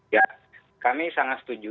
ya kami sangat setuju